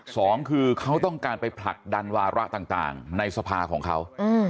สองคือเขาต้องการไปผลักดันวาระต่างในสภาของเขา